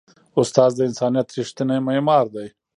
استاد د انسانیت ریښتینی معمار دی.